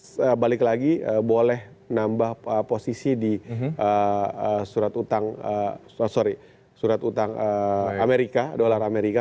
jadi balik lagi boleh nambah posisi di surat utang amerika dolar amerika